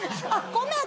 ごめん。